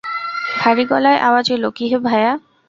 ভারি গলায় আওয়াজ এল, কী হে ভায়া।